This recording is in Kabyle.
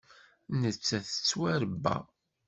Nettat tettwaṛebba.